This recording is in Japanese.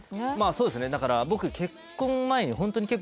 そうですねだから